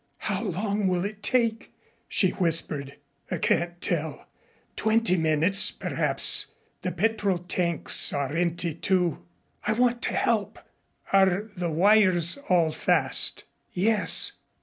"How long will it take?" she whispered. "I can't tell twenty minutes, perhaps. The petrol tanks are empty, too." "I want to help." "Are the wires all fast?" "Yes."